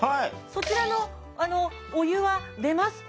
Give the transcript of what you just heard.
そちらのあのお湯は出ますか？